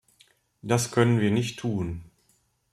Das können wir nicht tun.